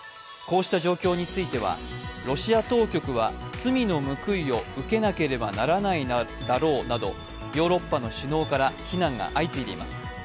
こうした状況についてはロシア当局は罪の報いを受けなければならないだろうなどヨーロッパの首脳から批判が相次いでいます。